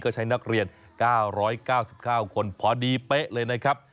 ก็ใช้นักเรียน๙๙๙คนพอดีเป๊ะเลยนะครับ